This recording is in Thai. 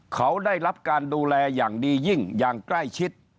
เขาได้รับการดูแลอย่างดียิ่งอย่างใกล้ชิด